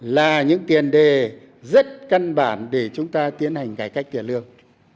là những tiền đề rất căn bản để chúng ta tiến hành cải cách tiền lương